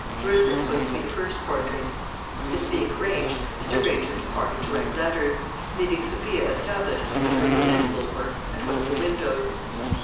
Clarissa's was to be the first portrait. This being arranged, Mr. Granger departed to write letters, leaving Sophia established, with her Berlin wool work, at one of the windows.